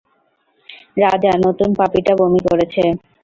রাজা, নতুন পাপিটা বমি করেছে।